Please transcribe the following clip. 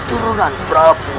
tidak ada apa apa